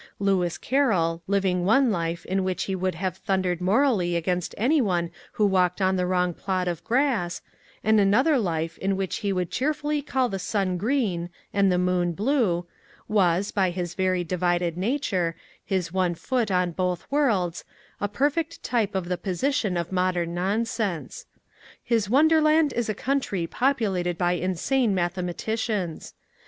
Lewis Carroll, living one life in which he would have thundered morally against any one who walked on the wrong plot of grass, and another life in which he would cheer fully call the sun green and the moon blue, was, by his very divided nature, his one foot on both worlds, a perfect type of the position of modern nonsense. His Won derland is a country populated by insane mathematicians.